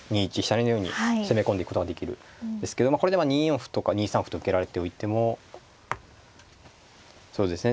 成のように攻め込んでいくことができるんですけどもこれで２四歩とか２三歩と受けられておいてもそうですね